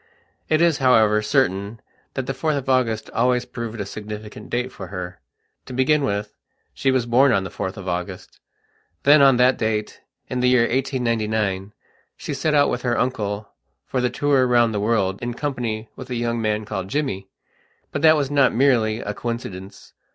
It is, however, certain that the 4th of August always proved a significant date for her. To begin with, she was born on the 4th of August. Then, on that date, in the year 1899, she set out with her uncle for the tour round the world in company with a young man called Jimmy. But that was not merely a coincidence.